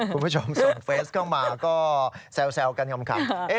คุณผู้ชมส่งเฟสเข้ามาก็แซวกันขำ